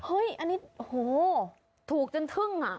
เฮ้ยอันนี้โห้ถูกจนถึงอ่ะ